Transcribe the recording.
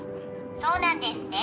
そうなんですね。